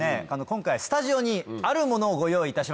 今回スタジオにあるものをご用意いたしました。